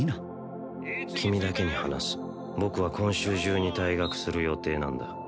君だけに話す僕は今週中に退学する予定なんだ